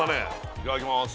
いただきます